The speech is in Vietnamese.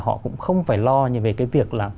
họ cũng không phải lo về cái việc là